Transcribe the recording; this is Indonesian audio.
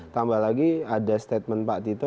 tambah lagi ada statement pak tito